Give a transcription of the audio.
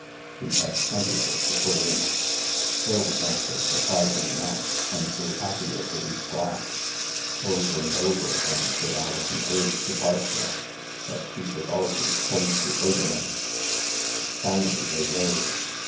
She had plenty of it to put in. Phil drank a surprising amount, and grew happier with each glass. Over and over again did Alison urge departure, but she was al ways told to " wait a minute." Finally they rose.